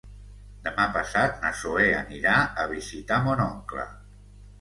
Demà passat na Zoè anirà a visitar mon oncle.